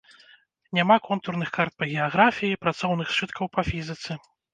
Няма контурных карт па геаграфіі, працоўных сшыткаў па фізіцы.